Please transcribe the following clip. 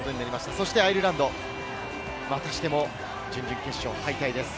そしてアイルランド、またしても準々決勝敗退です。